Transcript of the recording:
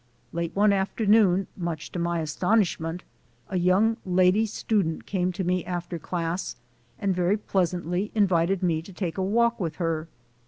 Late one afternoon, much to my astonishment, a young lady student came to me after class and very pleasantly invited me to take a walk with her.